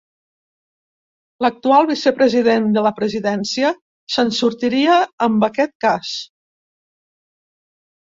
L'actual vicepresident de la presidència se'n sortiria amb aquest cas.